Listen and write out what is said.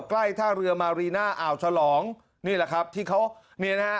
ใกล้ท่าเรือมารีน่าอ่าวฉลองนี่แหละครับที่เขาเนี่ยนะฮะ